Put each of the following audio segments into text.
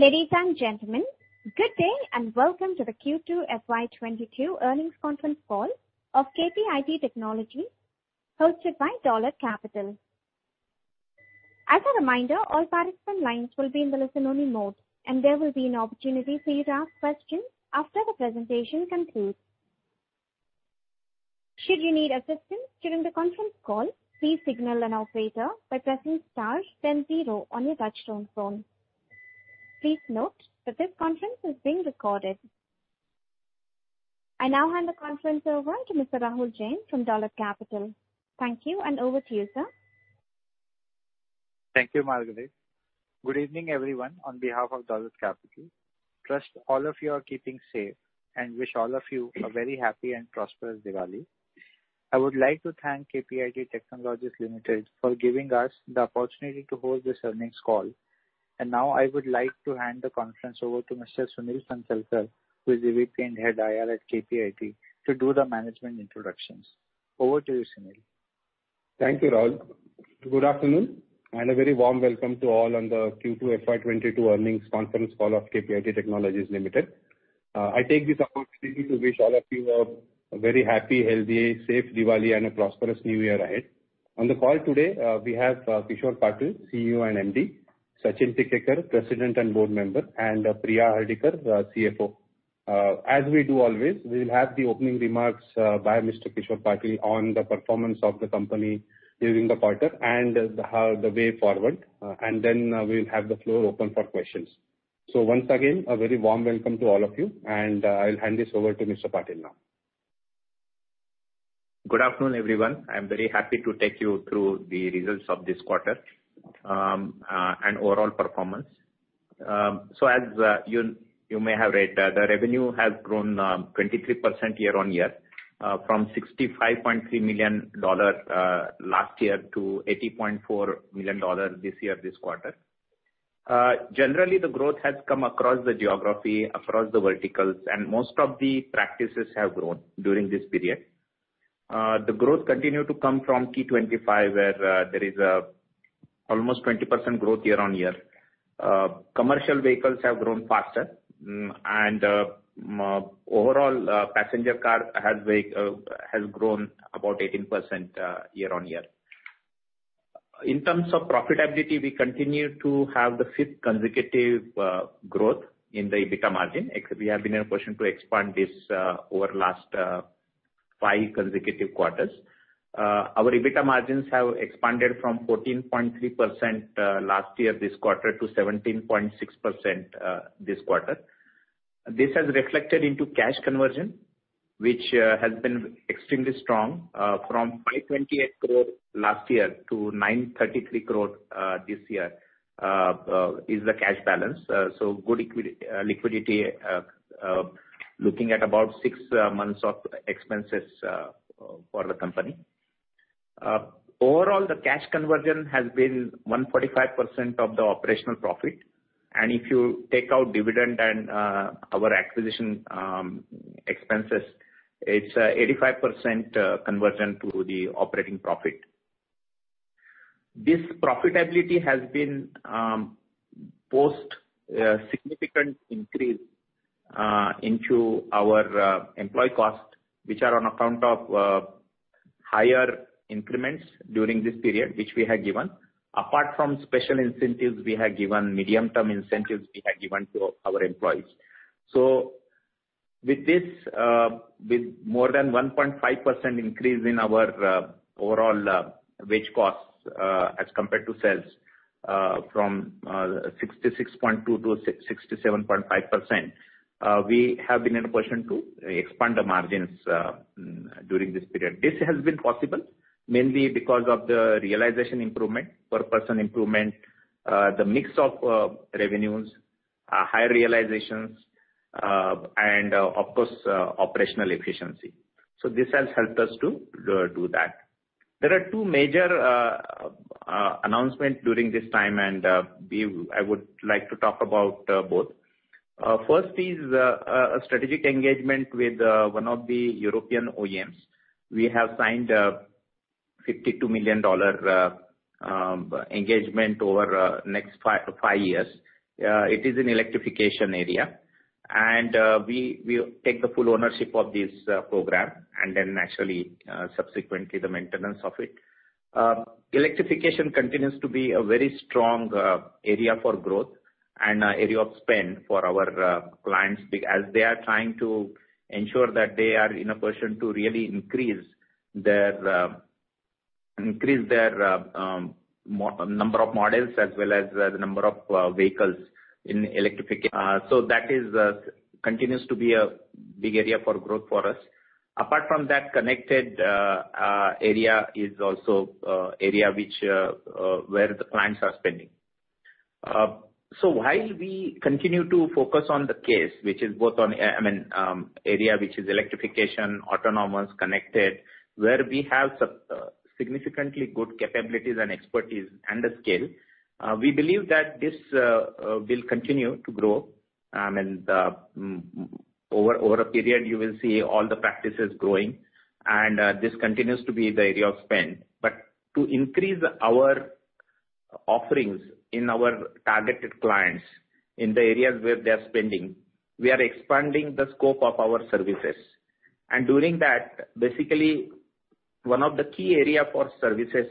Ladies and gentlemen, good day, and welcome to the Q2 FY 2022 Earnings Conference Call of KPIT Technologies, hosted by Dolat Capital. As a reminder, all participant lines will be in the listen only mode, and there will be an opportunity for you to ask questions after the presentation concludes. Should you need assistance during the conference call, please signal an operator by pressing star then zero on your touchtone phone. Please note that this conference is being recorded. I now hand the conference over to Mr. Rahul Jain from Dolat Capital. Thank you, and over to you, sir. Thank you, Margaret. Good evening, everyone, on behalf of Dolat Capital. Trust all of you are keeping safe and wish all of you a very happy and prosperous Diwali. I would like to thank KPIT Technologies Limited for giving us the opportunity to host this earnings call. Now I would like to hand the conference over to Mr. Sunil Phansalkar, who is the VP and Head IR at KPIT, to do the management introductions. Over to you, Sunil. Thank you, Rahul. Good afternoon and a very warm welcome to all on the Q2 FY 2022 earnings conference call of KPIT Technologies Limited. I take this opportunity to wish all of you a very happy, healthy, safe Diwali and a prosperous new year ahead. On the call today, we have Kishor Patil, CEO and MD, Sachin Tikekar, President and Board Member, and Priya Hardikar, CFO. As we do always, we'll have the opening remarks by Mr. Kishor Patil on the performance of the company during the quarter and the way forward, and then we'll have the floor open for questions. Once again, a very warm welcome to all of you, and I'll hand this over to Mr. Patil now. Good afternoon, everyone. I'm very happy to take you through the results of this quarter and overall performance. As you may have read, the revenue has grown 23% year-on-year from $65.3 million last year to $80.4 million this year, this quarter. Generally the growth has come across the geography, across the verticals, and most of the practices have grown during this period. The growth continued to come from key 25, where there is almost 20% growth year-on-year. Commercial vehicles have grown faster and overall, passenger car has grown about 18% year-on-year. In terms of profitability, we continue to have the fifth consecutive growth in the EBITDA margin. We have been in a position to expand this over last 5 consecutive quarters. Our EBITDA margins have expanded from 14.3% last year this quarter, to 17.6% this quarter. This has reflected into cash conversion, which has been extremely strong, from 528 crore last year to 933 crore this year is the cash balance. So good liquidity looking at about 6 months of expenses for the company. Overall, the cash conversion has been 145% of the operational profit, and if you take out dividend and our acquisition expenses, it's 85% conversion to the operating profit. This profitability has been post a significant increase into our employee costs, which are on account of higher increments during this period, which we have given. Apart from special incentives we have given, medium-term incentives we have given to our employees. With this, with more than 1.5% increase in our overall wage costs, as compared to sales, from 66.2%-67.5%, we have been in a position to expand the margins during this period. This has been possible mainly because of the realization improvement, per person improvement, the mix of revenues, higher realizations, and of course, operational efficiency. This has helped us to do that. There are two major announcements during this time and I would like to talk about both. First is a strategic engagement with one of the European OEMs. We have signed a $52 million engagement over the next five years. It is an electrification area and we take the full ownership of this program and then naturally subsequently the maintenance of it. Electrification continues to be a very strong area for growth and area of spend for our clients as they are trying to ensure that they are in a position to really increase their number of models as well as the number of vehicles in the electric field. So that continues to be a big area for growth for us. Apart from that, connected area is also area where the clients are spending. While we continue to focus on the CASE, which is both on, I mean, area which is electrification, autonomous, connected, where we have significantly good capabilities and expertise and the scale, we believe that this will continue to grow. I mean, over a period, you will see all the practices growing, and this continues to be the area of spend. To increase our offerings in our targeted clients in the areas where they're spending, we are expanding the scope of our services. During that, basically one of the key area for services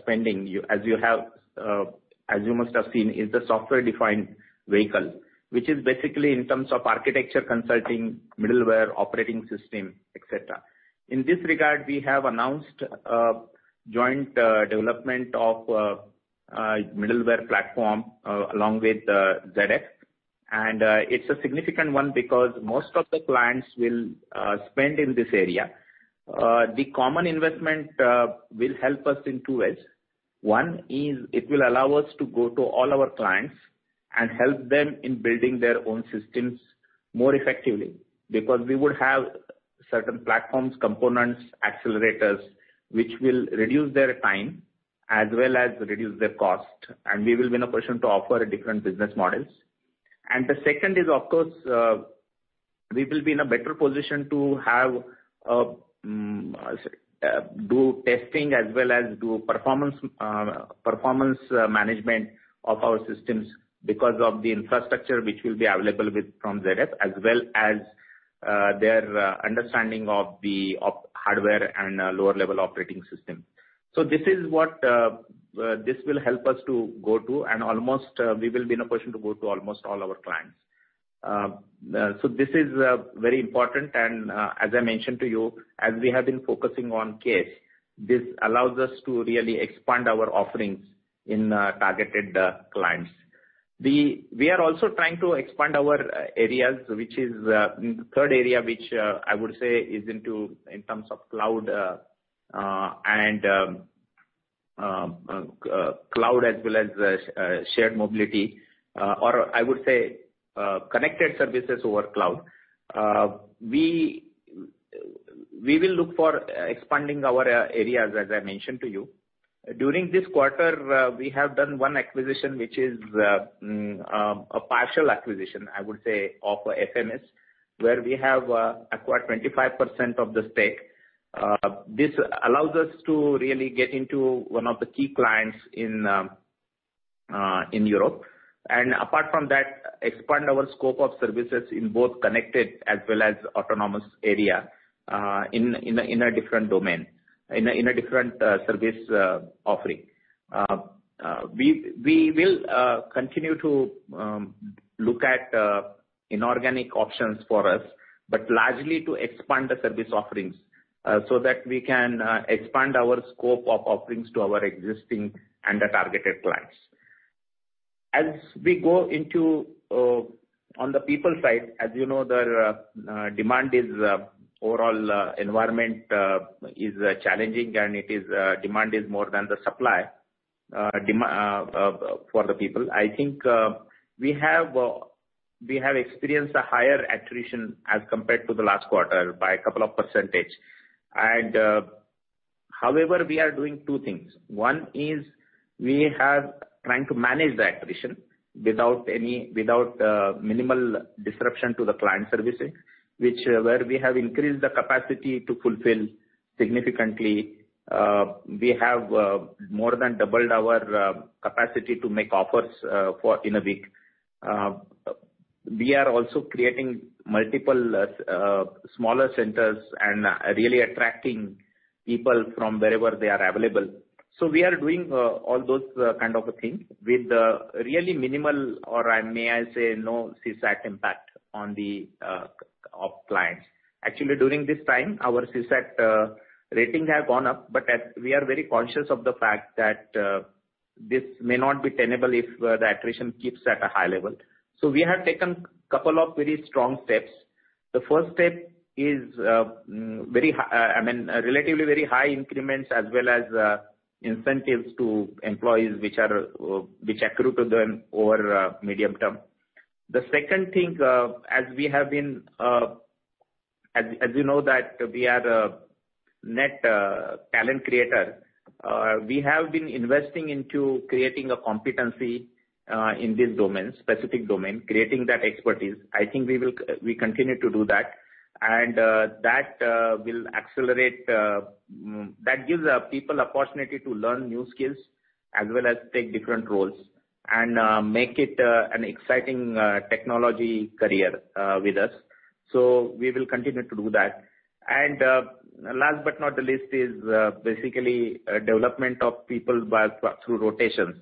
spending, as you must have seen, is the software-defined vehicle. Which is basically in terms of architecture consulting, middleware, operating system, etc. In this regard, we have announced joint development of middleware platform along with ZF. It's a significant one because most of the clients will spend in this area. The common investment will help us in two ways. One is it will allow us to go to all our clients and help them in building their own systems more effectively, because we would have certain platforms, components, accelerators, which will reduce their time as well as reduce their cost, and we will be in a position to offer different business models. The second is, of course, we will be in a better position to do testing as well as performance management of our systems because of the infrastructure which will be available from ZF, as well as their understanding of the hardware and lower level operating system. This will help us to go to almost all our clients. We will be in a position to go to almost all our clients. This is very important and, as I mentioned to you, as we have been focusing on CASE, this allows us to really expand our offerings in targeted clients. We are also trying to expand our areas, which is third area, I would say, into, in terms of cloud and cloud as well as shared mobility. Or I would say connected services over cloud. We will look for expanding our areas, as I mentioned to you. During this quarter, we have done one acquisition, which is a partial acquisition, I would say, of FMS, where we have acquired 25% of the stake. This allows us to really get into one of the key clients in Europe. Apart from that, expand our scope of services in both connected as well as autonomous area in a different domain in a different service offering. We will continue to look at inorganic options for us, but largely to expand the service offerings so that we can expand our scope of offerings to our existing and the targeted clients. As we go on to the people side, as you know, the overall environment is challenging, and the demand is more than the supply for the people. I think we have experienced a higher attrition as compared to the last quarter by a couple of percent. However, we are doing two things. One is we are trying to manage the attrition without minimal disruption to the client services, where we have increased the capacity to fulfill significantly. We have more than doubled our capacity to make offers in a week. We are also creating multiple smaller centers and really attracting people from wherever they are available. We are doing all those kind of things with really minimal, or may I say, no CSAT impact on the part of clients. Actually, during this time, our CSAT rating have gone up, but we are very conscious of the fact that this may not be tenable if the attrition keeps at a high level. We have taken couple of very strong steps. The first step is very high, I mean, relatively very high increments as well as incentives to employees which accrue to them over medium term. The second thing, as we have been, as you know that we are a net talent creator, we have been investing into creating a competency in this domain, specific domain, creating that expertise. I think we will continue to do that. That will accelerate that gives people opportunity to learn new skills as well as take different roles and make it an exciting technology career with us. We will continue to do that. Last but not the least is basically development of people through rotations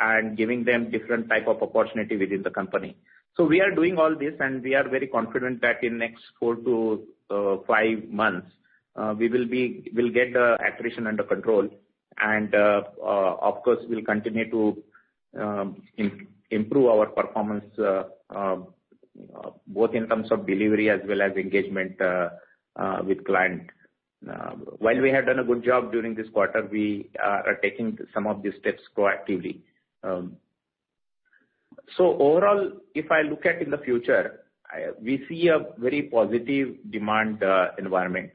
and giving them different type of opportunity within the company. We are doing all this, and we are very confident that in the next four to five months we will get the attrition under control. Of course, we'll continue to improve our performance both in terms of delivery as well as engagement with client. While we have done a good job during this quarter, we are taking some of these steps proactively. Overall, if I look at in the future, we see a very positive demand environment.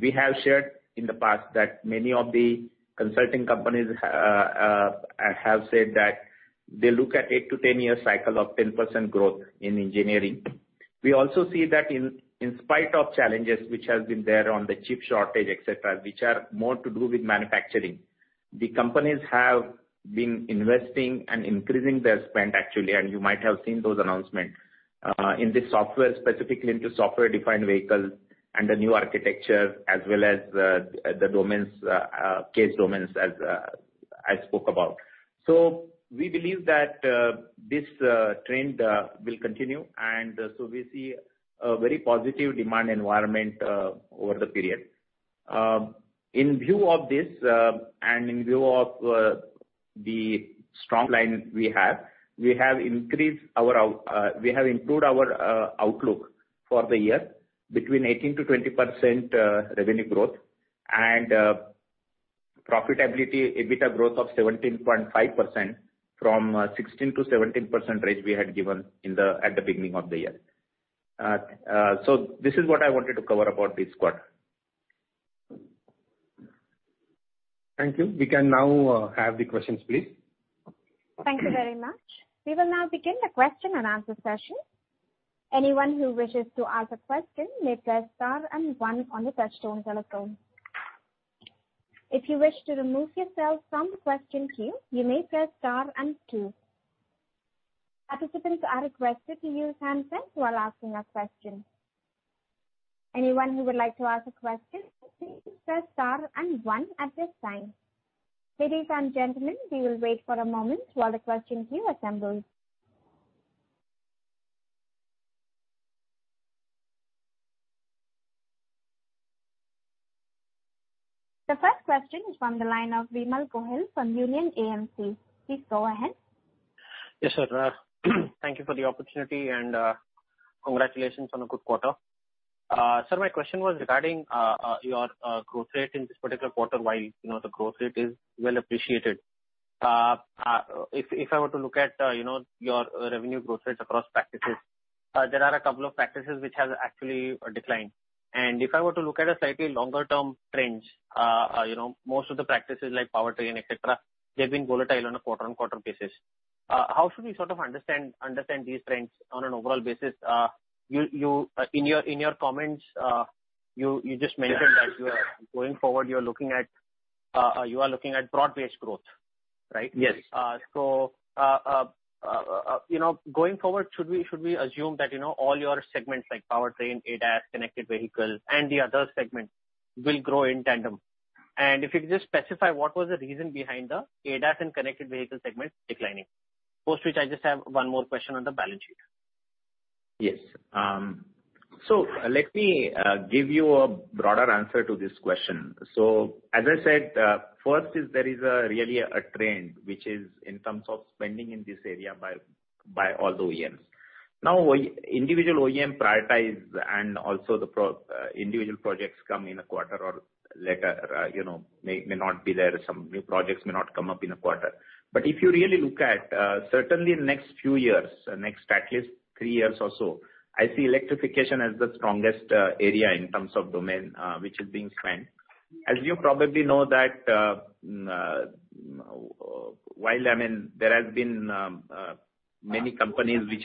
We have shared in the past that many of the consulting companies have said that they look at 8-10 year cycle of 10% growth in engineering. We also see that in spite of challenges which has been there on the chip shortage, etc, which are more to do with manufacturing, the companies have been investing and increasing their spend actually, and you might have seen those announcements. In the software, specifically into software-defined vehicles and the new architecture as well as, the domains, CASE domains as I spoke about. We believe that this trend will continue, and so we see a very positive demand environment over the period. In view of this, and in view of the strong lineup we have, we have improved our outlook for the year between 18%-20% revenue growth and profitability EBITDA growth of 17.5% from 16%-17% range we had given at the beginning of the year. This is what I wanted to cover about this quarter. Thank you. We can now have the questions, please. Thank you very much. We will now begin the question and answer session. Anyone who wishes to ask a question may press star and one on the touchtone telephone. If you wish to remove yourself from the question queue, you may press star and two. Participants are requested to use hands-free while asking a question. Anyone who would like to ask a question, please press star and one at this time. Ladies and gentlemen, we will wait for a moment while the question queue assembles. The first question is from the line of Vimal Gohil from Union AMC. Please go ahead. Yes, sir. Thank you for the opportunity and congratulations on a good quarter. Sir, my question was regarding your growth rate in this particular quarter. While you know the growth rate is well appreciated, if I were to look at you know your revenue growth rates across practices, there are a couple of practices which has actually declined. If I were to look at a slightly longer term trends, you know most of the practices like powertrain, etc, they've been volatile on a quarter-on-quarter basis. How should we sort of understand these trends on an overall basis? In your comments, you just mentioned- Yeah. that you are going forward, you are looking at broad-based growth, right? Yes. Going forward, should we assume that, you know, all your segments like powertrain, ADAS, connected vehicle and the other segment will grow in tandem? If you could just specify what was the reason behind the ADAS and connected vehicle segment declining. Post which I just have one more question on the balance sheet. Yes. Let me give you a broader answer to this question. As I said, first, there is really a trend which is in terms of spending in this area by all the OEMs. Now, individual OEMs prioritize and also individual projects come in a quarter or later, you know, may not be there, some new projects may not come up in a quarter. If you really look at certainly next few years, at least three years or so, I see electrification as the strongest area in terms of domain which is being spent. As you probably know that while, I mean, there has been many companies which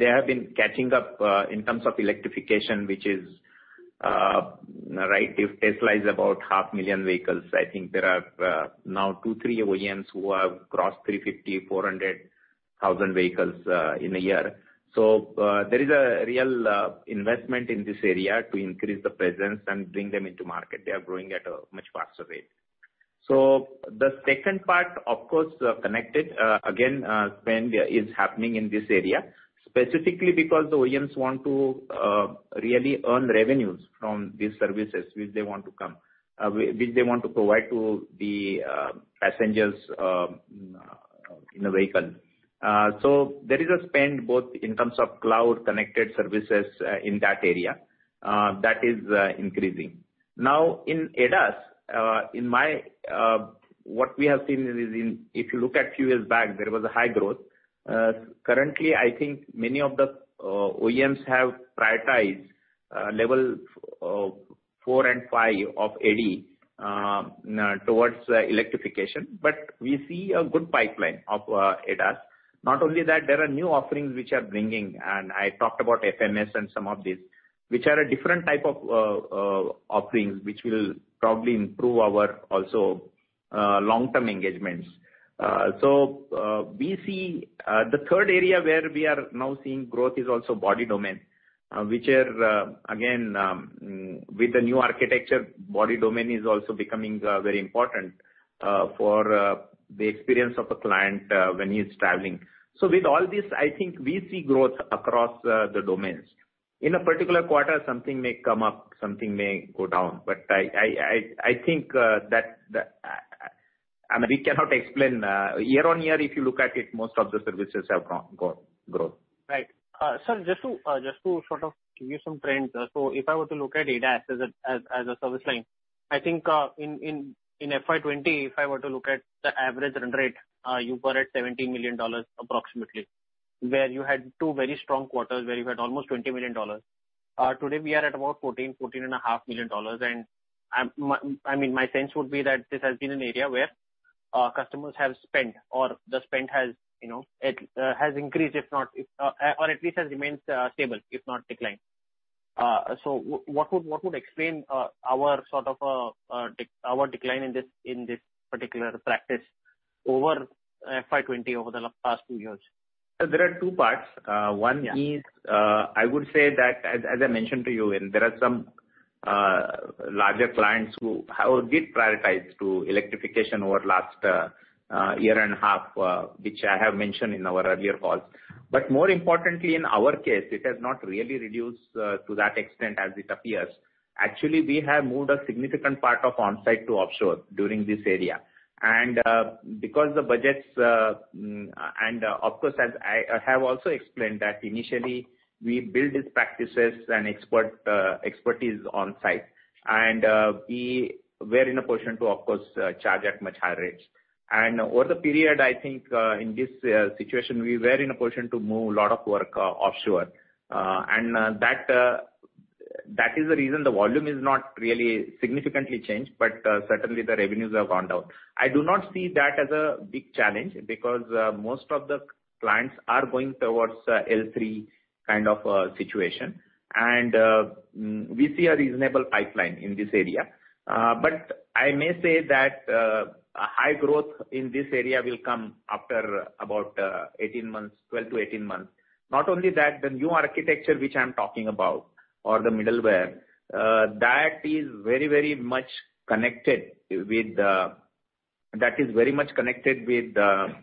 have been catching up in terms of electrification, which is right. If Tesla is about 500,000 vehicles, I think there are now 2-3 OEMs who have crossed 350,000-400,000 vehicles in a year. There is a real investment in this area to increase the presence and bring them into market. They are growing at a much faster rate. The second part, of course, connected, again, spend is happening in this area specifically because the OEMs want to really earn revenues from these services which they want to provide to the passengers in a vehicle. There is a spend both in terms of cloud connected services in that area that is increasing. Now in ADAS, what we have seen is, if you look at few years back, there was a high growth. Currently, I think many of the OEMs have prioritized level four and five of ADAS towards electrification, but we see a good pipeline of ADAS. Not only that, there are new offerings which are bringing, and I talked about FMS and some of these, which are a different type of offerings, which will probably improve our also long-term engagements. We see the third area where we are now seeing growth is also body domain, which, again, with the new architecture, is also becoming very important for the experience of a client when he is traveling. With all this, I think we see growth across the domains. In a particular quarter, something may come up, something may go down. I think that. I mean, we cannot explain year-on-year if you look at it. Most of the services have grown. Right. Sir, just to sort of give you some trends. If I were to look at ADAS as a service line, I think in FY 2020, if I were to look at the average run rate, you were at $70 million approximately, where you had two very strong quarters where you had almost $20 million. Today we are at about $14.5 million. I mean, my sense would be that this has been an area where customers have spent or the spend has, you know, it has increased, if not or at least has remained stable, if not declined. What would explain our sort of decline in this particular practice over FY 2020 over the last two years? There are two parts. Yeah. One is, I would say that as I mentioned to you, there are some larger clients who did prioritize the electrification over the last year and a half, which I have mentioned in our earlier calls. More importantly, in our case, it has not really reduced to that extent as it appears. Actually, we have moved a significant part of onsite to offshore during this era. Because the budgets and of course, as I have also explained that initially we build these practices and expertise onsite and we were in a position to, of course, charge at much higher rates. Over the period, I think, in this situation, we were in a position to move a lot of work offshore. That is the reason the volume is not really significantly changed, but certainly the revenues have gone down. I do not see that as a big challenge because most of the clients are going towards L3 kind of situation. We see a reasonable pipeline in this area. I may say that a high growth in this area will come after about 18 months, 12-18 months. Not only that, the new architecture which I'm talking about or the middleware that is very much connected with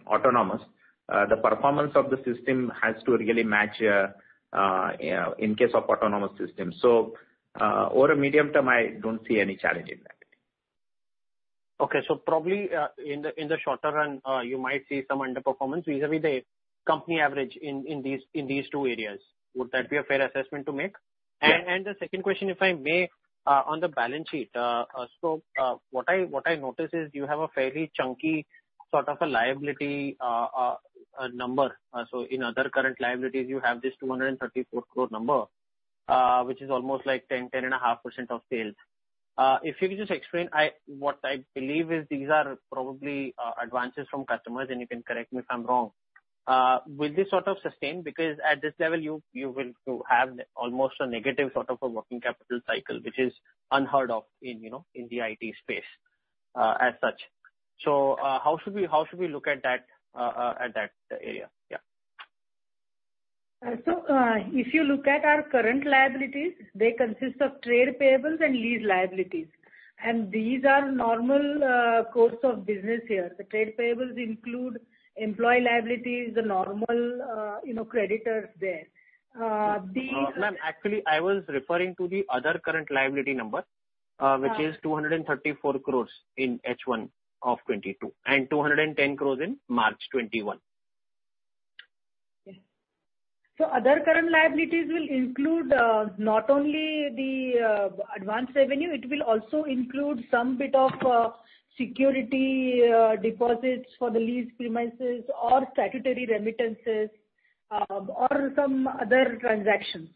autonomous. The performance of the system has to really match in case of autonomous system. Over a medium term, I don't see any challenge in that. Okay. Probably, in the shorter run, you might see some underperformance vis-à-vis the company average in these two areas. Would that be a fair assessment to make? Yeah. The second question, if I may, on the balance sheet. What I notice is you have a fairly chunky sort of a liability number. In other current liabilities, you have this 234 crore number, which is almost like 10.5% of sales. If you could just explain what I believe is these are probably advances from customers, and you can correct me if I'm wrong. Will this sort of sustain? Because at this level, you will have almost a negative sort of a working capital cycle, which is unheard of in, you know, in the IT space, as such. How should we look at that area? If you look at our current liabilities, they consist of trade payables and lease liabilities, and these are normal course of business here. The trade payables include employee liabilities, the normal, you know, creditors there. Ma'am, actually, I was referring to the other current liability number. which is 234 crore in H1 of 2022 and 210 crore in March 2021. Other current liabilities will include, not only the advanced revenue, it will also include some bit of security deposits for the leased premises or statutory remittances, or some other transactions.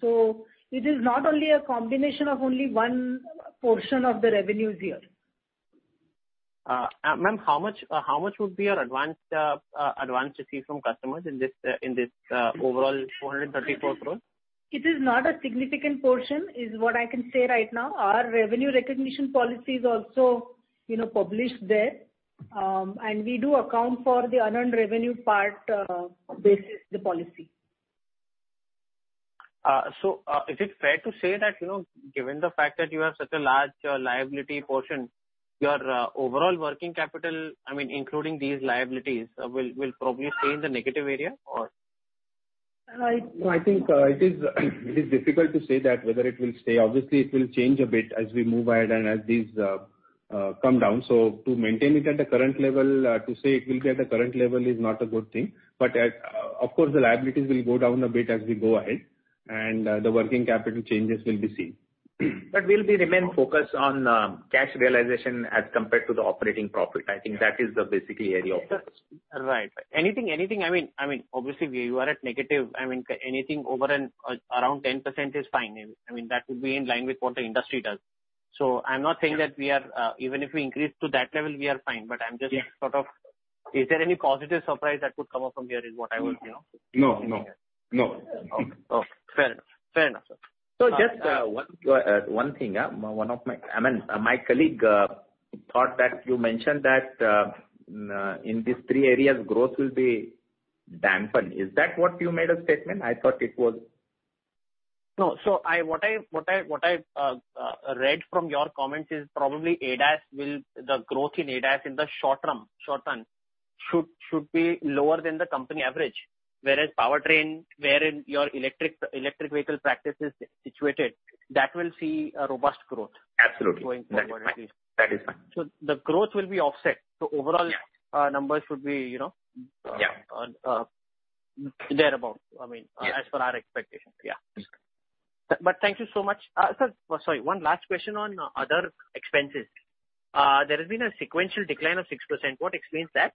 It is not only a combination of only one portion of the revenues here. Ma'am, how much would be your advance received from customers in this overall 434 crore? It is not a significant portion, is what I can say right now. Our revenue recognition policy is also, you know, published there. We do account for the unearned revenue part, based on the policy. Is it fair to say that, you know, given the fact that you have such a large liability portion, your overall working capital, I mean, including these liabilities, will probably stay in the negative area, or? Uh, it- No, I think it is difficult to say that whether it will stay. Obviously, it will change a bit as we move ahead and as these come down. To maintain it at the current level, to say it will be at the current level is not a good thing. Of course, the liabilities will go down a bit as we go ahead, and the working capital changes will be seen. We'll remain focused on cash realization as compared to the operating profit. I think that is basically the area of focus. Right. Anything, I mean, obviously you are at negative. I mean, anything over and around 10% is fine. I mean, that would be in line with what the industry does. I'm not saying that we are, even if we increase to that level, we are fine. I'm just- Yeah. Sort of, is there any positive surprise that could come up from here, is what I want to know. No. Okay. Fair enough. Fair enough, sir. Just one thing. My colleague thought that you mentioned that in these three areas, growth will be dampened. Is that what you made a statement? I thought it was. No. What I read from your comments is probably the growth in ADAS in the short term, short run, should be lower than the company average. Whereas powertrain, wherein your electric vehicle practice is situated, that will see a robust growth. Absolutely. going forward at least. That is fine. The growth will be offset. Yeah. Overall, numbers would be, you know. Yeah. thereabout, I mean. Yeah. As per our expectations. Yeah. Thank you so much. Sir, sorry, one last question on other expenses. There has been a sequential decline of 6%. What explains that?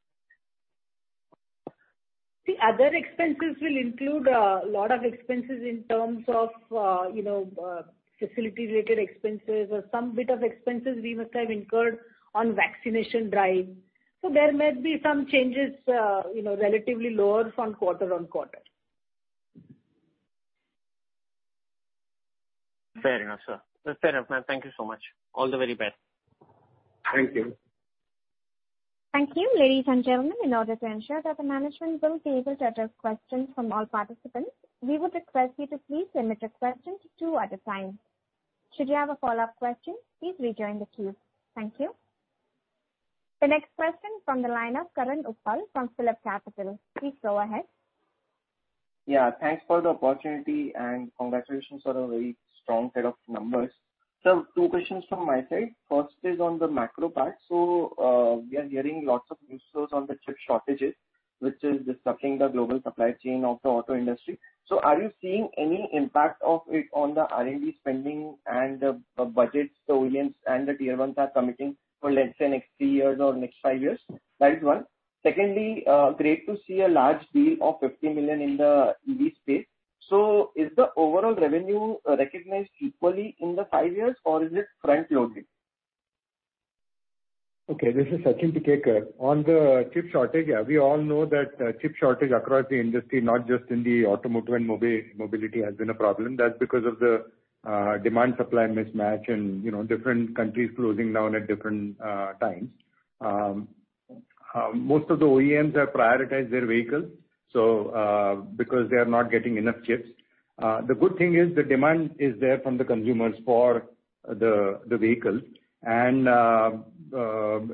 The other expenses will include a lot of expenses in terms of, you know, facility-related expenses or a bit of expenses we must have incurred on vaccination drive. There may be some changes, you know, relatively lower from quarter-on-quarter. Fair enough, sir. That's fair enough, ma'am. Thank you so much. All the very best. Thank you. Thank you. Ladies and gentlemen, in order to ensure that the management will be able to address questions from all participants, we would request you to please limit your question to two at a time. Should you have a follow-up question, please rejoin the queue. Thank you. The next question from the line of Karan Uppal from PhillipCapital. Please go ahead. Yeah. Thanks for the opportunity and congratulations on a very strong set of numbers. Two questions from my side. First is on the macro part. We are hearing lots of news sources on the chip shortages, which is disrupting the global supply chain of the auto industry. Are you seeing any impact of it on the R&D spending and the budgets the OEMs and the tier ones are committing for, let's say, next three years or next five years? That is one. Secondly, great to see a large deal of 50 million in the EV space. Is the overall revenue recognized equally in the five years or is it front loaded? Okay, this is Sachin Tikekar here. On the chip shortage, we all know that chip shortage across the industry, not just in the automotive and mobility has been a problem. That's because of the demand supply mismatch and, you know, different countries closing down at different times. Most of the OEMs have prioritized their vehicles, so because they are not getting enough chips. The good thing is the demand is there from the consumers for the vehicles and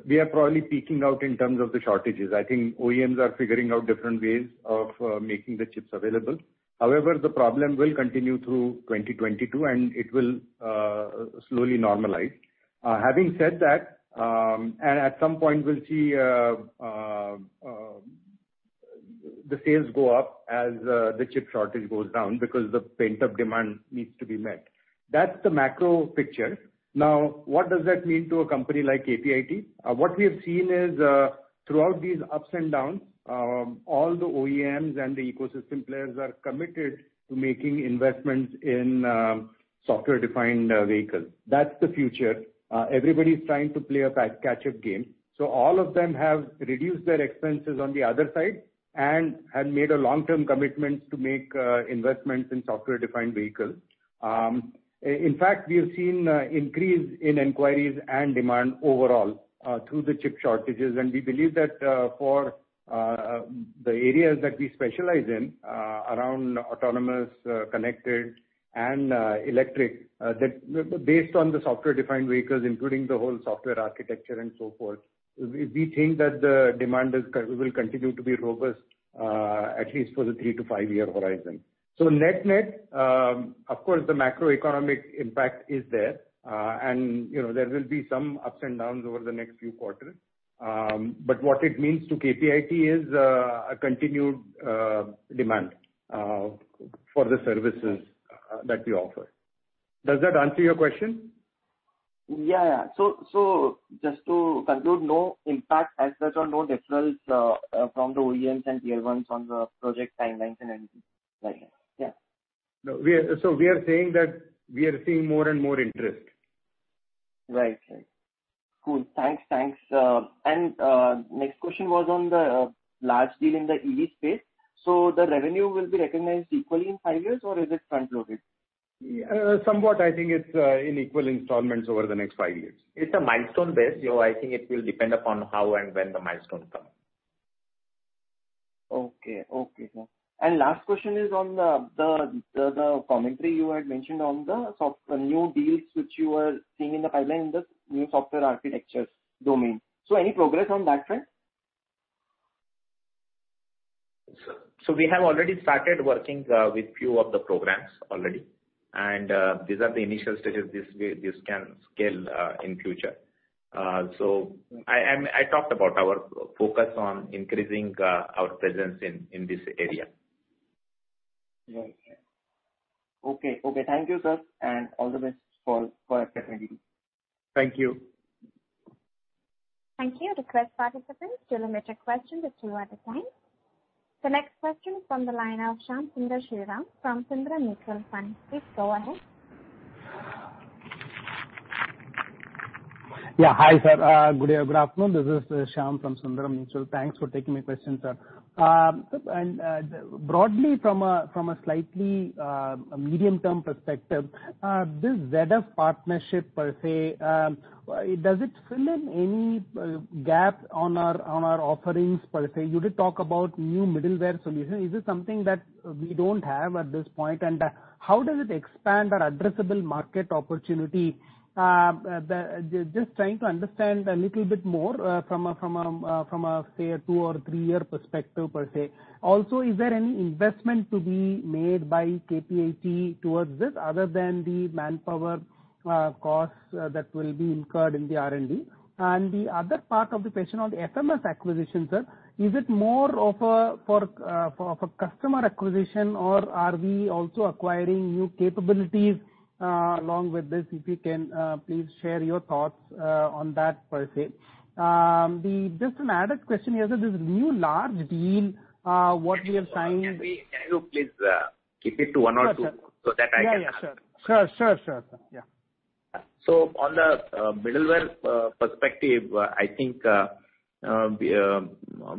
we are probably peaking out in terms of the shortages. I think OEMs are figuring out different ways of making the chips available. However, the problem will continue through 2022 and it will slowly normalize. Having said that, at some point we'll see the sales go up as the chip shortage goes down because the pent-up demand needs to be met. That's the macro picture. Now, what does that mean to a company like KPIT? What we have seen is, throughout these ups and downs, all the OEMs and the ecosystem players are committed to making investments in software-defined vehicles. That's the future. Everybody's trying to play a catch-up game. All of them have reduced their expenses on the other side and have made a long-term commitment to make investments in software-defined vehicles. In fact, we have seen increase in inquiries and demand overall through the chip shortages. We believe that for the areas that we specialize in around autonomous, connected and electric, that based on the software-defined vehicles including the whole software architecture and so forth, we think that the demand will continue to be robust at least for the 3-5 year horizon. Net-net, of course the macroeconomic impact is there. You know, there will be some ups and downs over the next few quarters. What it means to KPIT is a continued demand for the services that we offer. Does that answer your question? Yeah. Just to conclude, no impact as such or no deferrals from the OEMs and tier ones on the project timelines and anything like that? Yeah. We are saying that we are seeing more and more interest. Right. Cool. Thanks. Next question was on the large deal in the EV space. The revenue will be recognized equally in five years or is it front-loaded? Yeah. Somewhat, I think it's in equal installments over the next five years. It's a milestone-based. I think it will depend upon how and when the milestones come. Okay. Last question is on the commentary you had mentioned on the new deals which you are seeing in the pipeline in the new software architectures domain. Any progress on that front? We have already started working with few of the programs already. These are the initial stages. This can scale in future. I talked about our focus on increasing our presence in this area. Right. Okay. Thank you, sir. All the best for KPIT. Thank you. Thank you. Request participants to limit your question to two at a time. The next question from the line of Shyam Sundar Sriram from Sundaram Mutual Fund. Please go ahead. Yeah. Hi, sir. Good day, good afternoon. This is Shyam from Sundaram Mutual. Thanks for taking my question, sir. Broadly from a slightly medium term perspective, this ZF partnership per se, does it fill in any gap on our offerings per se? You did talk about new middleware solution. Is this something that we don't have at this point? And how does it expand our addressable market opportunity? Just trying to understand a little bit more from a say a two or three year perspective per se. Also, is there any investment to be made by KPIT towards this other than the manpower costs that will be incurred in the R&D? The other part of the question on the FMS acquisition, sir, is it more of a for customer acquisition or are we also acquiring new capabilities along with this? If you can please share your thoughts on that per se. Just an added question here. This new large deal what we have signed- Can you please keep it to one or two? Sure, sure. So that I can- Yeah. Sure. Yeah. On the middleware perspective, I think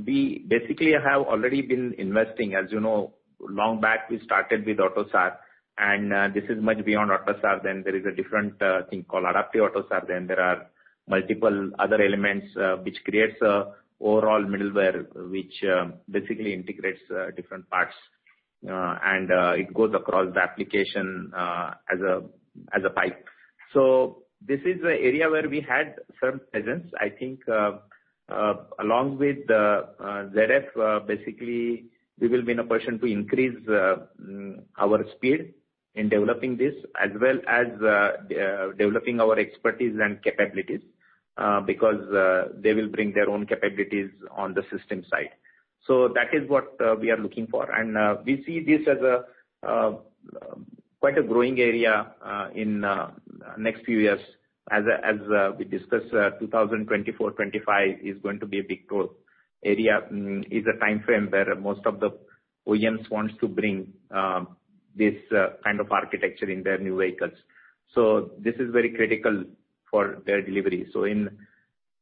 we basically have already been investing. As you know, long back, we started with AUTOSAR, and this is much beyond AUTOSAR. There is a different thing called Adaptive AUTOSAR. There are multiple other elements which creates a overall middleware, which basically integrates different parts. It goes across the application as a pipe. This is the area where we had some presence. I think along with ZF, basically, we will be in a position to increase our speed in developing this as well as developing our expertise and capabilities because they will bring their own capabilities on the system side. That is what we are looking for. We see this as a quite a growing area in next few years. As we discussed, 2024, 2025 is going to be a big growth area. It is a timeframe where most of the OEMs wants to bring this kind of architecture in their new vehicles. This is very critical for their delivery. In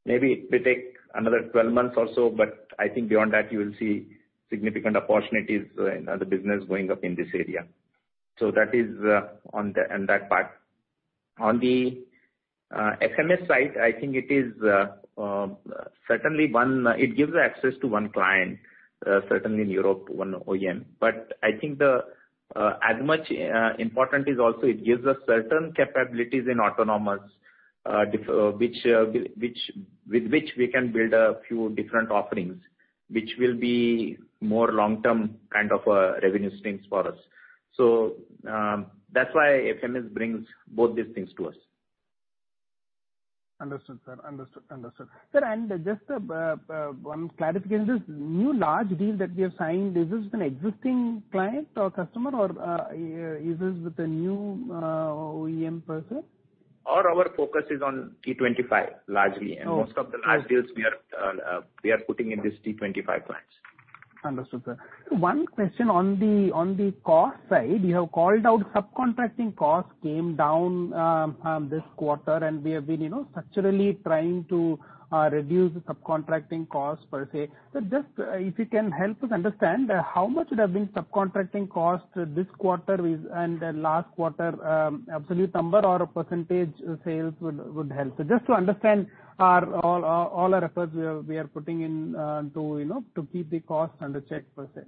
maybe it may take another 12 months or so, but I think beyond that you will see significant opportunities in other business going up in this area. That is on that part. On the FMS side, I think it is certainly one. It gives access to one client, certainly in Europe, one OEM. I think the as much important is also it gives us certain capabilities in autonomous which with which we can build a few different offerings, which will be more long-term kind of a revenue streams for us. That's why FMS brings both these things to us. Understood, sir. Sir, just one clarification. This new large deal that we have signed, is this an existing client or customer or, is this with a new, OEM per se? All our focus is on T25 largely. Oh, oh. Most of the large deals we are putting in this T25 clients. Understood, sir. One question on the cost side. You have called out subcontracting costs came down this quarter, and we have been, you know, structurally trying to reduce the subcontracting costs per se. Just if you can help us understand how much would have been subcontracting costs this quarter and last quarter, absolute number or a percentage sales would help. Just to understand all our efforts we are putting in to, you know, to keep the costs under check, per se.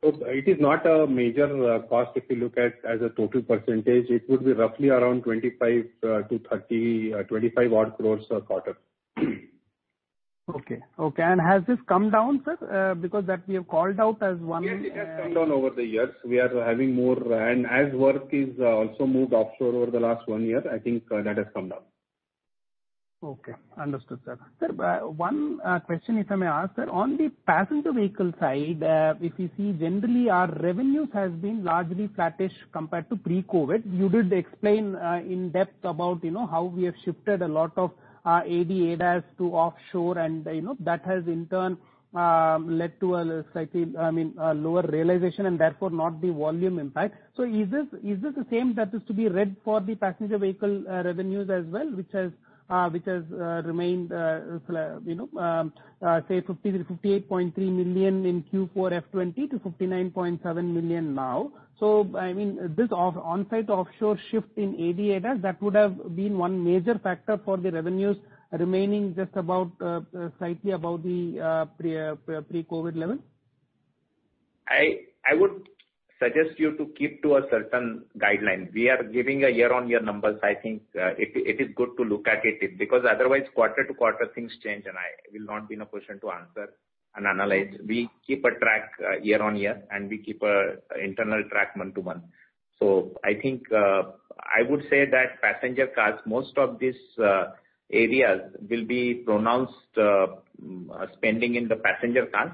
It is not a major cost if you look at it as a total percentage. It would be roughly around 25-30 crore, 25 odd crore a quarter. Okay. Has this come down, sir? Because that we have called out as one- Yes, it has come down over the years. We are having more. As work is also moved offshore over the last one year, I think, that has come down. Okay. Understood, sir. Sir, one question, if I may ask, sir. On the passenger vehicle side, if you see generally our revenues has been largely flattish compared to pre-COVID. You did explain in depth about, you know, how we have shifted a lot of ADAS to offshore and, you know, that has in turn led to a slightly, I mean, a lower realization and therefore not the volume impact. Is this the same that is to be read for the passenger vehicle revenues as well, which has remained, you know, say 50 million-58.3 million in Q4 FY 2020 to 59.7 million now. I mean, this on-site offshore shift in ADAS, that would have been one major factor for the revenues remaining just about slightly above the pre-COVID level. I would suggest you to keep to a certain guideline. We are giving year-on-year numbers. I think it is good to look at it. Because otherwise quarter-to-quarter things change, and I will not be in a position to answer and analyze. We keep track year-on-year, and we keep an internal track month-to-month. I think I would say that passenger cars, most of these areas will be pronounced spending in the passenger cars.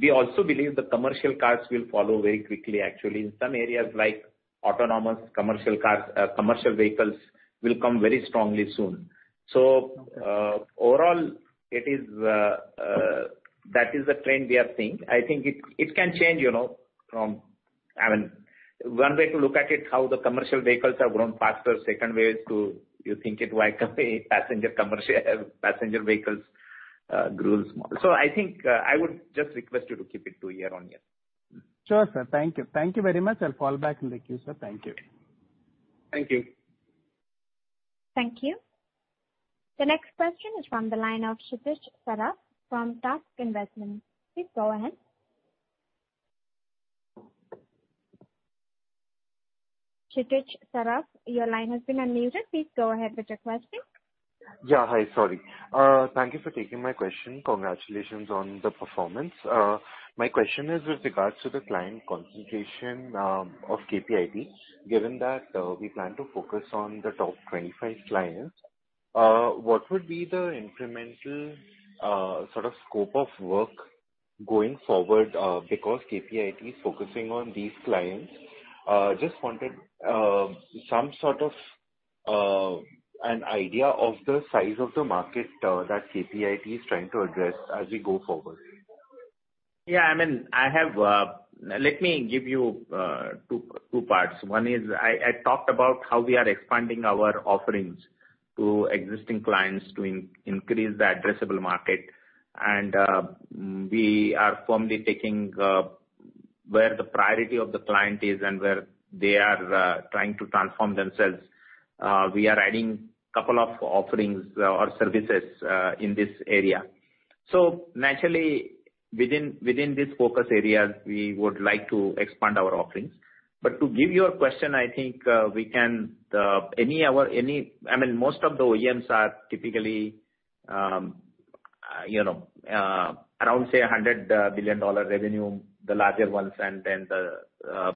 We also believe the commercial cars will follow very quickly actually. In some areas like autonomous commercial cars, commercial vehicles will come very strongly soon. Overall, that is the trend we are seeing. I think it can change, you know, I mean, one way to look at it, how the commercial vehicles have grown faster. Second way is to think why can't the commercial passenger vehicles grow as well. I think I would just request you to keep it to year-on-year. Sure, sir. Thank you. Thank you very much. I'll fall back in the queue, sir. Thank you. Thank you. Thank you. The next question is from the line of Kshitij Saraf from Tusk Investments. Please go ahead. Kshitij Saraf, your line has been unmuted. Please go ahead with your question. Yeah. Hi. Sorry. Thank you for taking my question. Congratulations on the performance. My question is with regards to the client concentration of KPIT. Given that, we plan to focus on the top 25 clients, what would be the incremental, sort of scope of work? Going forward, because KPIT is focusing on these clients, just wanted some sort of an idea of the size of the market that KPIT is trying to address as we go forward. Let me give you two parts. One is I talked about how we are expanding our offerings to existing clients to increase the addressable market. We are firmly taking where the priority of the client is and where they are trying to transform themselves. We are adding couple of offerings or services in this area. Naturally, within these focus areas, we would like to expand our offerings. But to answer your question, I think. I mean, most of the OEMs are typically, you know, around, say, $100 billion revenue, the larger ones, and then the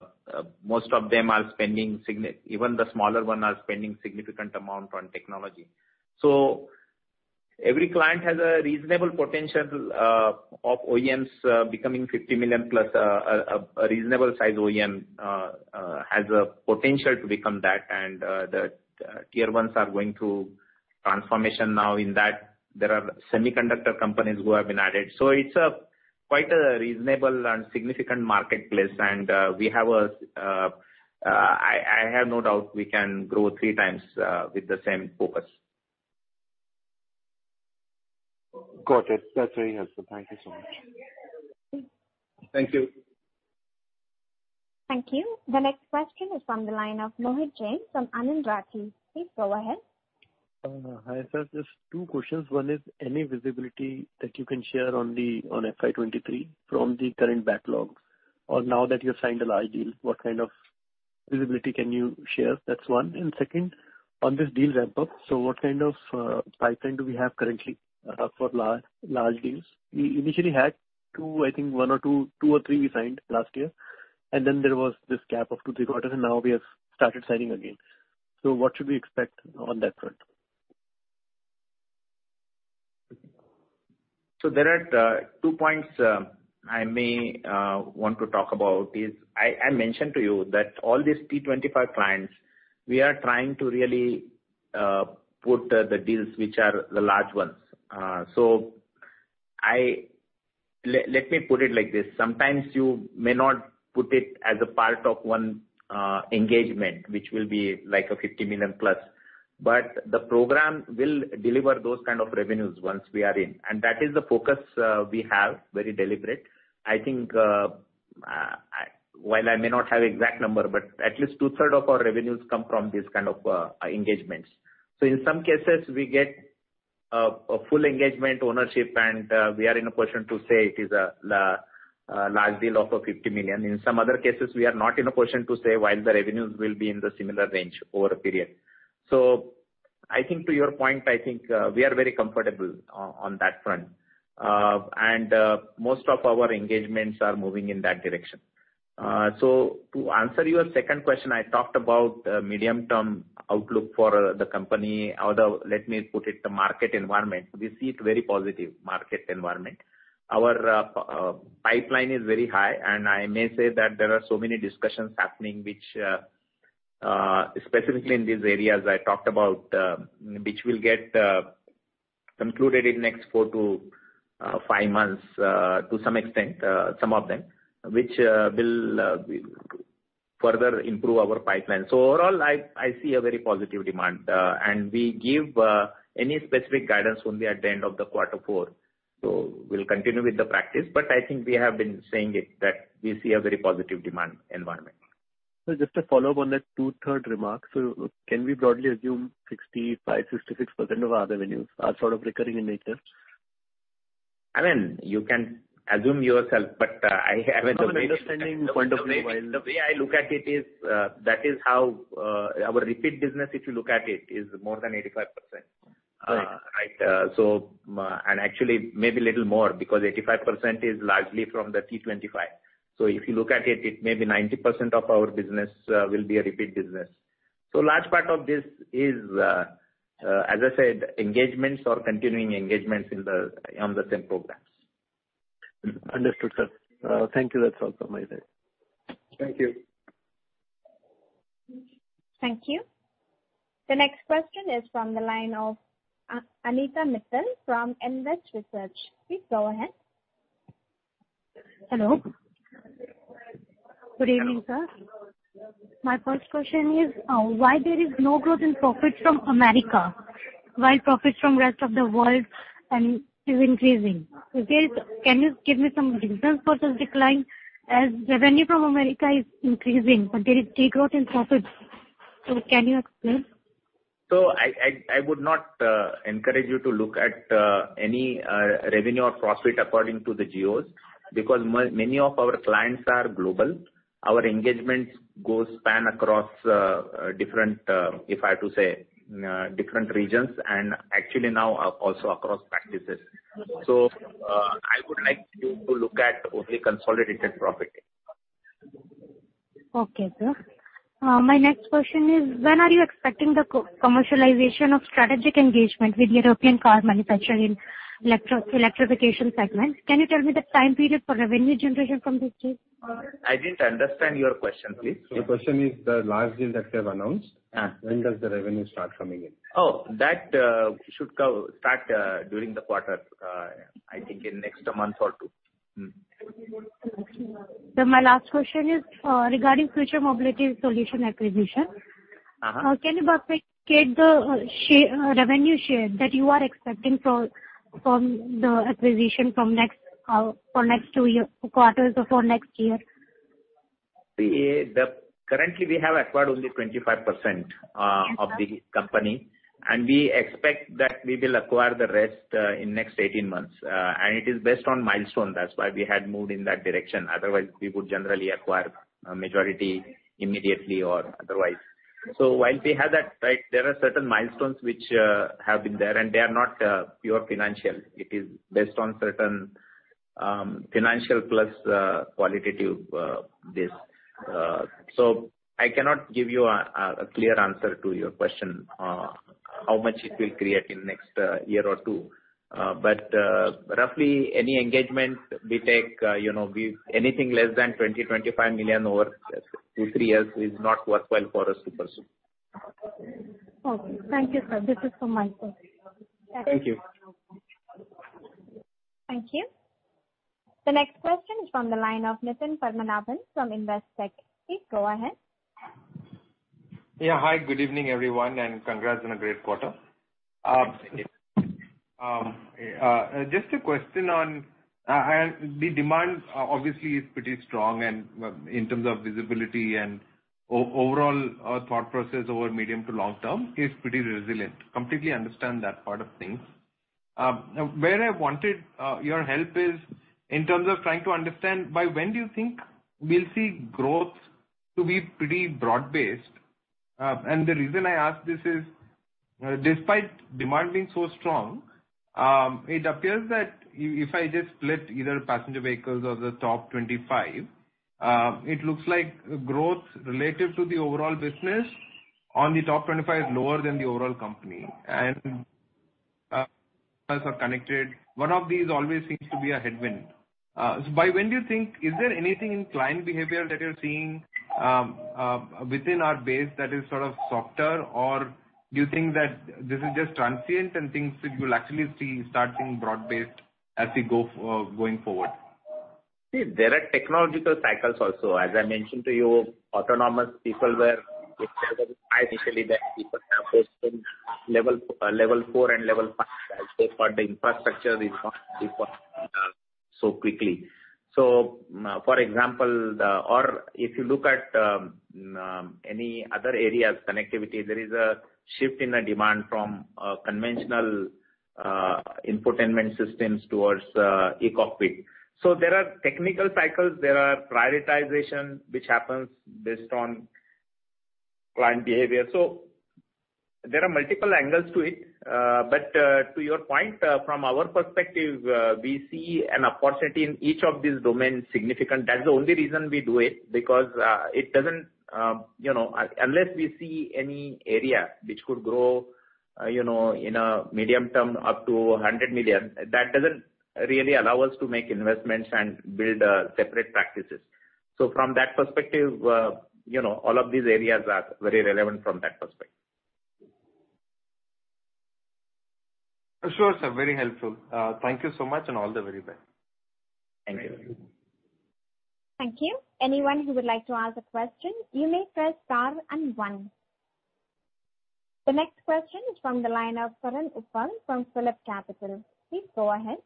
most of them are spending even the smaller ones are spending significant amount on technology. Every client has a reasonable potential of OEMs becoming 50 million-plus, a reasonable size OEM has a potential to become that. The tier ones are going through transformation now in that there are semiconductor companies who have been added. It's quite a reasonable and significant marketplace. I have no doubt we can grow three times with the same focus. Got it. That's very helpful. Thank you so much. Thank you. Thank you. The next question is from the line of Mohit Jain from Anand Rathi. Please go ahead. Hi, sir. Just two questions. One is any visibility that you can share on FY 2023 from the current backlogs, or now that you have signed a large deal, what kind of visibility can you share? That's one. Second, on this deal ramp-up, what kind of pipeline do we have currently for large deals? We initially had 2, I think 1 or 2 or 3 we signed last year, and then there was this gap of 2-3 quarters, and now we have started signing again. What should we expect on that front? There are two points I want to talk about. I mentioned to you that all these T25 clients, we are trying to really put the deals which are the large ones. Let me put it like this. Sometimes you may not put it as a part of one engagement, which will be like a 50 million plus, but the program will deliver those kind of revenues once we are in, and that is the focus we have very deliberate. I think while I may not have exact number, but at least two-thirds of our revenues come from these kind of engagements. In some cases, we get a full engagement ownership, and we are in a position to say it is a large deal of a 50 million. In some other cases, we are not in a position to say whether the revenues will be in the similar range over a period. I think to your point, I think, we are very comfortable on that front. Most of our engagements are moving in that direction. To answer your second question, I talked about medium-term outlook for the company, although let me put it, the market environment, we see a very positive market environment. Our pipeline is very high, and I may say that there are so many discussions happening which specifically in these areas I talked about, which will get concluded in next 4-5 months, to some extent, some of them, which will further improve our pipeline. Overall, I see a very positive demand, and we give any specific guidance only at the end of the quarter four. We'll continue with the practice. I think we have been saying it that we see a very positive demand environment. Just a follow-up on that two-thirds remark. Can we broadly assume 65%-66% of our revenues are sort of recurring in nature? I mean, you can assume yourself, but I have a very From an understanding point of view. The way I look at it is that is how our repeat business, if you look at it, is more than 85%. Right. Right. Actually, maybe little more because 85% is largely from the T25. If you look at it may be 90% of our business will be a repeat business. Large part of this is, as I said, engagements or continuing engagements on the same programs. Understood, sir. Thank you. That's all from my side. Thank you. Thank you. The next question is from the line of Anita Mittal from Nvest Research. Please go ahead. Hello. Good evening, sir. My first question is, why there is no growth in profits from America, while profits from rest of the world is increasing. Can you give me some reasons for this decline as revenue from America is increasing, but there is degrowth in profits. Can you explain? I would not encourage you to look at any revenue or profit according to the geos, because many of our clients are global. Our engagements span across different, if I have to say, different regions and actually now also across practices. I would like you to look at only consolidated profit. Okay, sir. My next question is, when are you expecting the co-commercialization of strategic engagement with European car manufacturer in electrification segment? Can you tell me the time period for revenue generation from this deal? I didn't understand your question, please. The question is the large deal that you have announced. Uh. When does the revenue start coming in? That should start during the quarter. I think in next month or two. Sir, my last question is, regarding Future Mobility Solutions acquisition. Can you validate the revenue share that you are expecting from the acquisition for next two year quarters or for next year? Currently we have acquired only 25%. Yes, sir. of the company, and we expect that we will acquire the rest in next 18 months. It is based on milestone, that's why we had moved in that direction. Otherwise, we would generally acquire a majority immediately or otherwise. While we have that right, there are certain milestones which have been there, and they are not pure financial. It is based on certain financial plus qualitative this. I cannot give you a clear answer to your question how much it will create in next year or two. Roughly, any engagement we take, you know, anything less than $20-25 million over 2-3 years is not worthwhile for us to pursue. Okay. Thank you, sir. This is from my side. Thank you. Thank you. The next question is from the line of Nitin Padmanabhan from Investec. Please go ahead. Yeah. Hi, good evening, everyone, and congrats on a great quarter. Thank you. Just a question on the demand obviously is pretty strong and, in terms of visibility and overall, thought process over medium to long term is pretty resilient. Completely understand that part of things. Now, where I wanted your help is in terms of trying to understand by when do you think we'll see growth to be pretty broad-based? The reason I ask this is, despite demand being so strong, it appears that if I just split either passenger vehicles or the top 25, it looks like growth relative to the overall business on the top 25 is lower than the overall company. Plus our connected, one of these always seems to be a headwind. By when do you think... Is there anything in client behavior that you're seeing within our base that is sort of softer? Or do you think that this is just transient and things that you'll actually see starting broad-based as we go forward? See, there are technological cycles also. As I mentioned to you, autonomy levels were initially level four and level five as they got the infrastructure so quickly. For example, if you look at any other areas, connectivity, there is a shift in the demand from conventional infotainment systems towards e-cockpit. There are technological cycles, there are prioritizations which happens based on client behavior. There are multiple angles to it. To your point, from our perspective, we see an opportunity in each of these domains significant. That's the only reason we do it, because it doesn't, you know. Unless we see any area which could grow, you know, in a medium term up to 100 million, that doesn't really allow us to make investments and build separate practices. From that perspective, you know, all of these areas are very relevant from that perspective. Sure, sir. Very helpful. Thank you so much and all the very best. Thank you. Thank you. Anyone who would like to ask a question, you may press star and one. The next question is from the line of Karan Uppal from PhillipCapital. Please go ahead.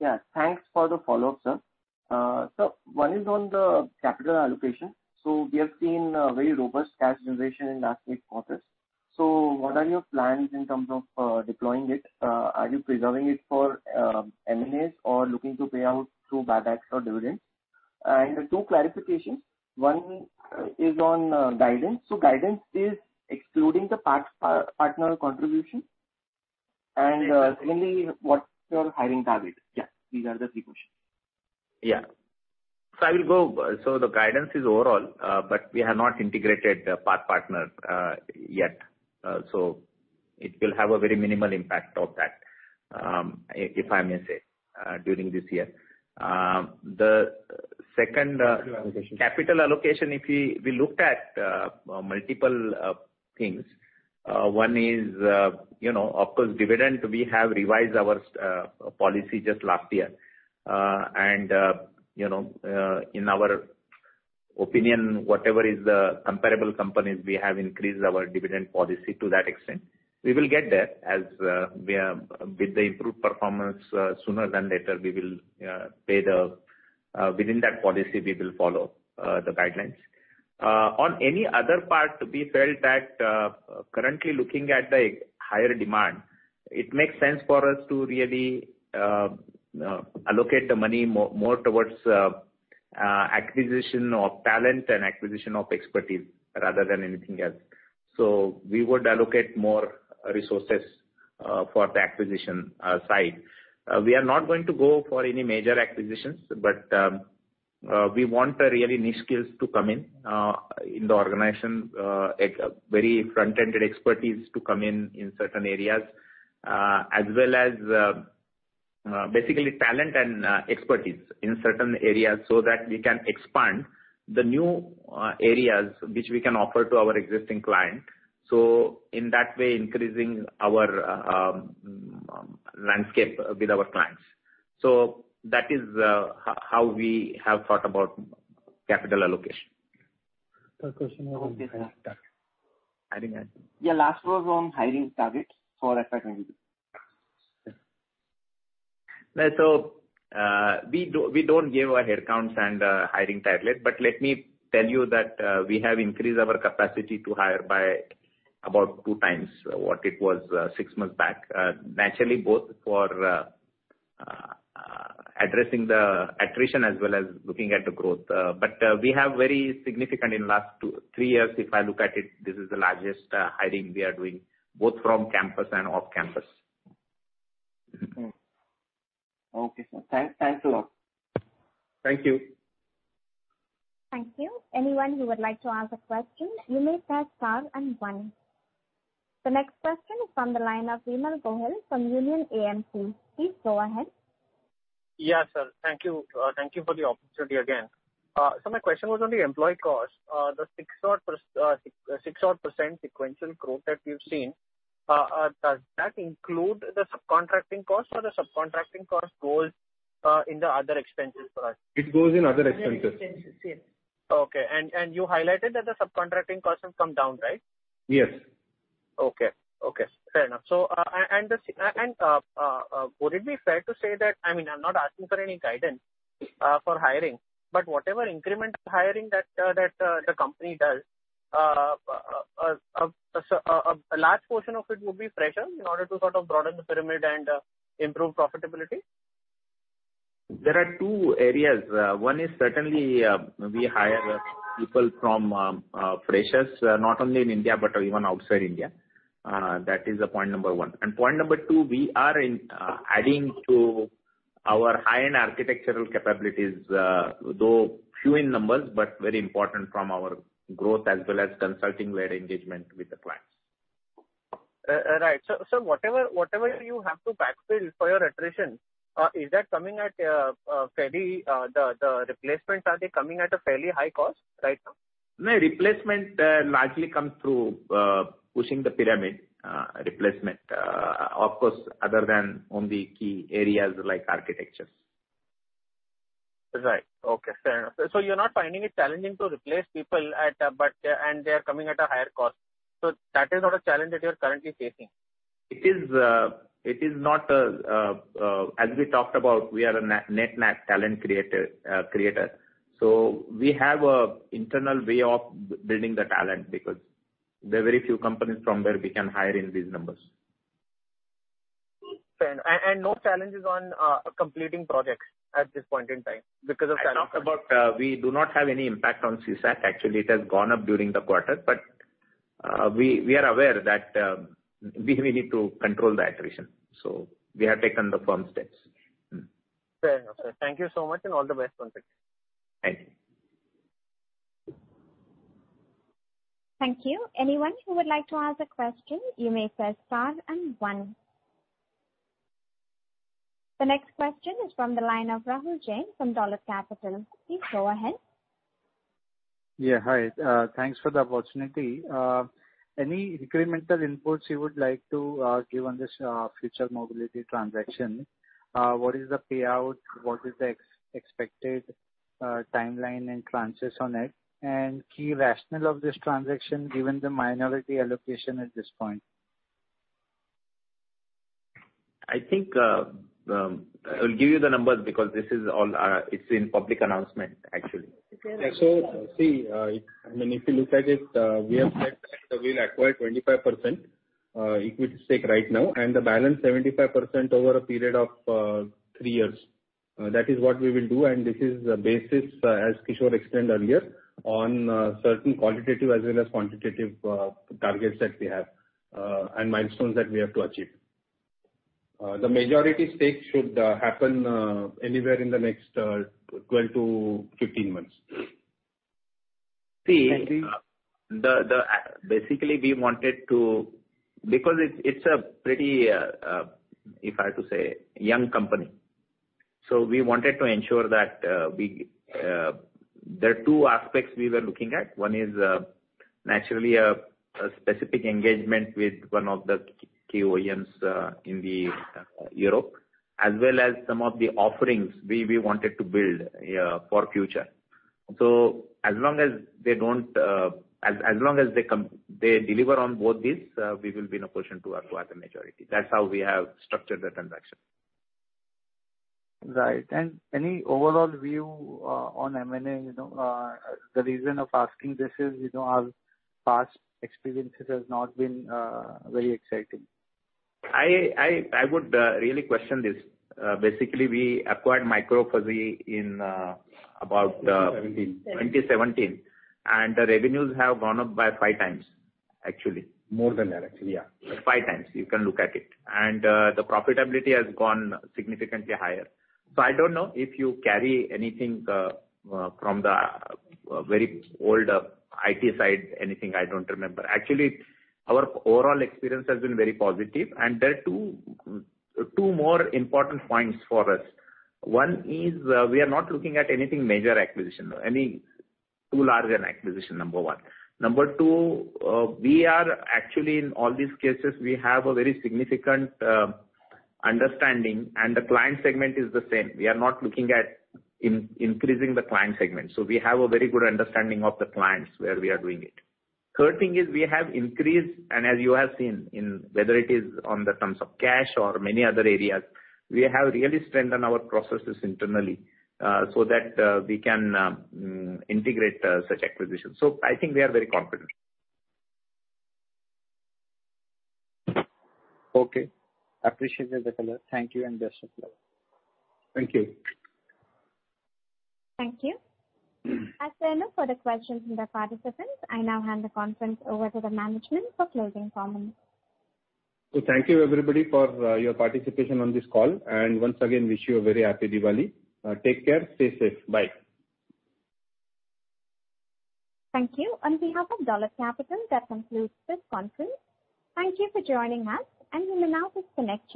Yeah. Thanks for the follow-up, sir. One is on the capital allocation. We have seen a very robust cash generation in last eight quarters. What are your plans in terms of deploying it? Are you preserving it for M&As or looking to pay out through buybacks or dividends? Two clarifications. One is on guidance. Guidance is excluding the PathPartner contribution. Secondly, what's your hiring target? Yeah, these are the three questions. Yeah. I will go. The guidance is overall, but we have not integrated the PathPartner yet. It will have a very minimal impact of that, if I may say, during this year. The second, Capital allocation. Capital allocation, if we looked at multiple things. One is, you know, of course, dividend, we have revised our policy just last year. You know, in our opinion, whatever is the comparable companies, we have increased our dividend policy to that extent. We will get there as we with the improved performance, sooner than later, we will pay within that policy, we will follow the guidelines. On any other part, we felt that currently looking at the higher demand, it makes sense for us to really allocate the money more towards acquisition of talent and acquisition of expertise rather than anything else. We would allocate more resources for the acquisition side. We are not going to go for any major acquisitions, but we want the really niche skills to come in in the organization, a very front-ended expertise to come in in certain areas, as well as basically talent and expertise in certain areas so that we can expand the new areas which we can offer to our existing client. In that way, increasing our landscape with our clients. That is how we have thought about capital allocation. The question. I didn't answer. Yeah, last was on hiring targets for FY 2022. We don't give our headcounts and hiring targets. Let me tell you that we have increased our capacity to hire by about two times what it was six months back, naturally both for addressing the attrition as well as looking at the growth. We have very significant in the last two or three years. If I look at it, this is the largest hiring we are doing, both from campus and off-campus. Okay. Sir. Thanks. Thanks a lot. Thank you. Thank you. Anyone who would like to ask a question, you may press star and one. The next question is from the line of Vimal Gohil from Union AMC. Please go ahead. Yes, sir. Thank you. Thank you for the opportunity again. My question was on the employee cost, the 6-odd% sequential growth that we've seen. Does that include the subcontracting costs or the subcontracting costs goes in the other expenses for us? It goes in other expenses. Other expenses, yes. Okay. You highlighted that the subcontracting costs have come down, right? Yes. Okay. Fair enough. Would it be fair to say that I mean, I'm not asking for any guidance for hiring, but whatever incremental hiring that the company does, a large portion of it would be fresher in order to sort of broaden the pyramid and improve profitability? There are two areas. One is certainly we hire people from freshers, not only in India, but even outside India. That is point number one. Point number two, we are adding to our high-end architectural capabilities. Though few in numbers, but very important from our growth as well as consulting where engagement with the clients. Right. Whatever you have to backfill for your attrition, the replacements, are they coming at a fairly high cost right now? No replacement largely comes through pushing the pyramid replacement. Of course, other than on the key areas like architectures. Right. Okay. Fair enough. You're not finding it challenging to replace people at, but, and they are coming at a higher cost. That is not a challenge that you are currently facing. It is not, as we talked about, we are a net talent creator. We have a internal way of building the talent because there are very few companies from where we can hire in these numbers. No challenges on completing projects at this point in time because of talent. I talked about we do not have any impact on CSAT. Actually, it has gone up during the quarter, but we are aware that we need to control the attrition. We have taken the firm steps. Fair enough, sir. Thank you so much and all the best on tech. Thank you. Thank you. Anyone who would like to ask a question, you may press star and one. The next question is from the line of Rahul Jain from Dolat Capital. Please go ahead. Yeah. Hi. Thanks for the opportunity. Any incremental inputs you would like to give on this future mobility transaction? What is the payout? What is the expected timeline and tranches on it? Key rationale of this transaction, given the minority allocation at this point. I think, I'll give you the numbers because this is all, it's in public announcement, actually. Yeah. See, I mean, if you look at it, we have said that we'll acquire 25% equity stake right now, and the balance 75% over a period of three years. That is what we will do. This is the basis, as Kishor explained earlier, on certain qualitative as well as quantitative targets that we have, and milestones that we have to achieve. The majority stake should happen anywhere in the next 12-15 months. Thank you. See, basically, we wanted to because it's a pretty young company, if I have to say. We wanted to ensure that there are two aspects we were looking at. One is naturally a specific engagement with one of the key OEMs in Europe, as well as some of the offerings we wanted to build for future. As long as they deliver on both these, we will be in a position to acquire the majority. That's how we have structured the transaction. Right. Any overall view on M&A? You know, the reason of asking this is, you know, our past experiences has not been very exciting. I would really question this. Basically, we acquired MicroFuzzy in about 20-17. 2017. The revenues have gone up by 5x, actually. More than that, actually. Yeah. Five times. You can look at it. The profitability has gone significantly higher. I don't know if you carry anything from the very old IT side. I don't remember. Actually, our overall experience has been very positive. There are two more important points for us. One is, we are not looking at any major acquisition, any too large an acquisition, number one. Number two, we are actually in all these cases, we have a very significant understanding, and the client segment is the same. We are not looking at increasing the client segment. We have a very good understanding of the clients where we are doing it. Third thing is we have increased, and as you have seen in whether it is on the terms of cash or many other areas, we have really strengthened our processes internally, so that we can integrate such acquisitions. I think we are very confident. Okay. Appreciate it. Thank you and best of luck. Thank you. Thank you. As there are no further questions from the participants, I now hand the conference over to the management for closing comments. Thank you everybody for your participation on this call, and once again, wish you a very happy Diwali. Take care, stay safe. Bye. Thank you. On behalf of Dolat Capital, that concludes this conference. Thank you for joining us, and you may now disconnect.